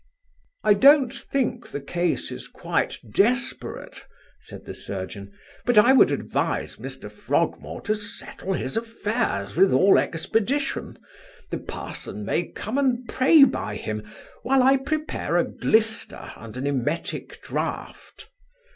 'I don't think the case is quite desperate (said the surgeon), but I would advise Mr Frogmore to settle his affairs with all expedition; the parson may come and pray by him, while I prepare a glyster and an emetic draught.